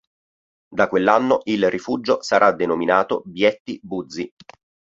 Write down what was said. Da quell'anno il rifugio sarà denominato "Bietti-Buzzi".